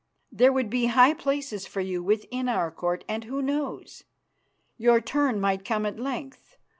There would be high place for you within our Court, and, who knows? Your turn might come at length.